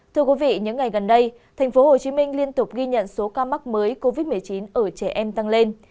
thưa quý vị những ngày gần đây tp hcm liên tục ghi nhận số ca mắc mới covid một mươi chín ở trẻ em tăng lên